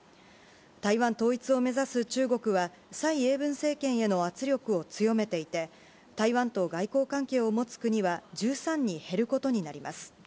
台湾統一を目指す中国は、蔡英文政権への圧力を強めていて、台湾と外交関係を持つ国は１３に減ることになります。